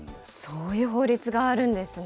そういう法律があるんですね。